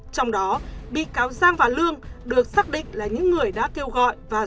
trong đó bị cáo giang và lương được xác định là những người đã kêu gọi và